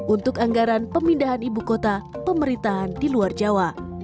untuk anggaran pemindahan ibu kota pemerintahan di luar jawa